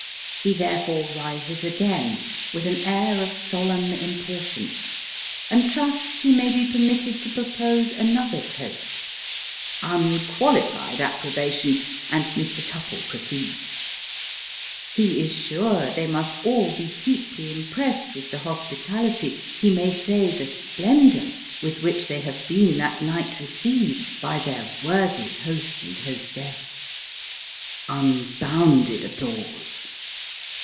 He, therefore, rises again, with an air of solemn importance, and trusts he may be permitted to propose another toast (unqualified approbation, and Mr. Tupple pro ceeds). He is sure they must all be deeply impressed with the hospi tality he may say the splendour with which they have been that night received by their worthy host and hostess. (Unbounded applause.)